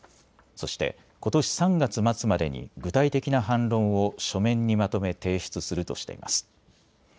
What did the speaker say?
そしてことし３月末までに、具体的な反論を書面にまとめ、提出するとしています。